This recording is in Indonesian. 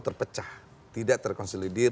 terpecah tidak terkonsolidir